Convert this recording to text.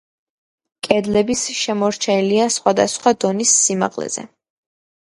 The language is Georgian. კედლების შემორჩენილია სხვადასხვა დონის სიმაღლეზე.